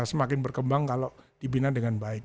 semakin berkembang kalau dibina dengan baik